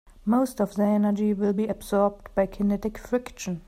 Most of the energy will be absorbed by kinetic friction.